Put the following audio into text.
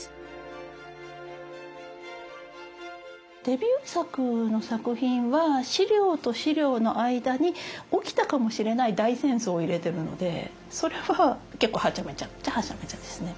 デビュー作の作品は資料と資料の間に起きたかもしれない大戦争を入れてるのでそれは結構はちゃめちゃっちゃはちゃめちゃですね。